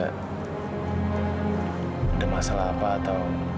ada masalah apa atau